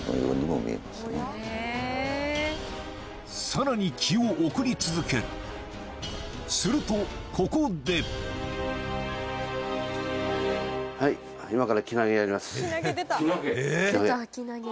さらに気を送り続けるするとここではい気投げ？